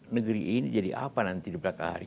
negeri ini jadi apa nanti di belakang hari